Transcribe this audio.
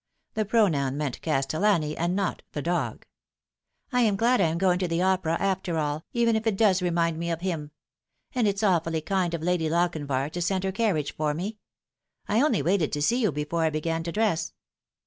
(The pronoun meant Castellani, and not the dog.) " I am glad I am going to the opera after all, even if it does remind me of him ; and it's awfully kind of Lady Lochinvar to send her carriage for me. I only waited to see you before I began to dress."